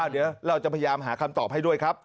เดี๋ยวเราจะพยายามหาคำตอบให้ด้วยครับ